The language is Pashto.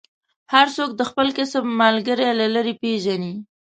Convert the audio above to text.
هر څوک د خپل کسب ملګری له لرې پېژني.